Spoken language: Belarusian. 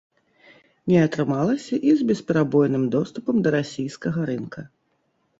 Не атрымалася і з бесперабойным доступам да расійскага рынка.